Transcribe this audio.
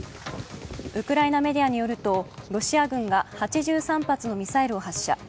ウクライナメディアによるとロシア軍が８３発のミサイルを発射。